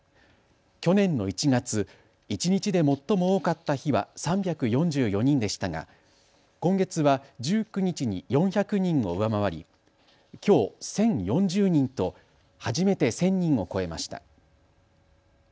去年の１月、一日で最も多かった日は３４４人でしたが今月は１９日に４００人を上回りきょう、１０４０人と初めて１０００人を超えました。